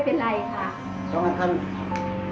พาไปได้